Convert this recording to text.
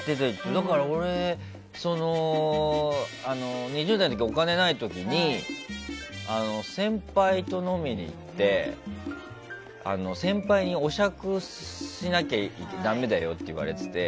だから、俺２０代のお金ない時に先輩と飲みに行って先輩にお酌しなきゃだめだよって言われていて。